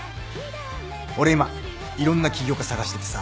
俺今いろんな起業家探しててさ。